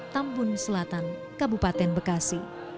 tambun selatan kabupaten bekasi